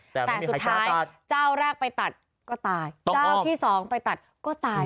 แต่สุดท้ายเจ้าแรกไปตัดก็ตายเจ้าที่สองไปตัดก็ตาย